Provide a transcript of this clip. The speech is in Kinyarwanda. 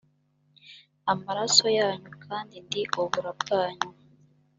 amaraso yanyu kandi ndi ubura bwanyu